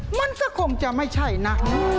มันก็คงจะไม่ใช่นะ